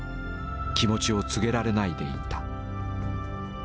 気持ちを告げられないでいた。